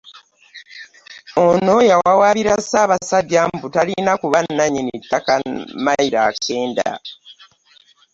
Ono yawawaabira Ssaabasajja mbu talina kuba nnannyini ttaka mayiro akenda.